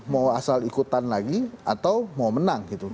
mau asal ikutan lagi atau mau menang gitu